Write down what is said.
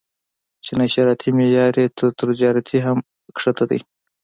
چې نشراتي معیار یې تر تجارتي هم ښکته دی.